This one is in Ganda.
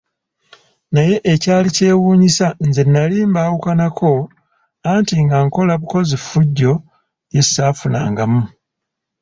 Naye ekyali kyewuunyisa nze nnali mbaawukanako, anti nga nkola bukozi ffujjo lye ssaafunangamu.